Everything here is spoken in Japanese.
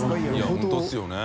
本当ですよね。